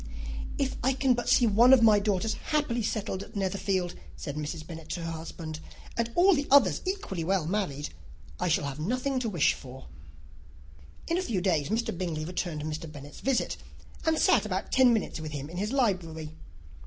"If I can but see one of my daughters happily settled at Netherfield," said Mrs. Bennet to her husband, "and all the others equally well married, I shall have nothing to wish for." In a few days Mr. Bingley returned Mr. Bennet's visit, and sat about ten minutes with him in his library.